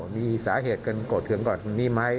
มีสาเหตุคนโกรธเผื่อของคุณนี้ไหม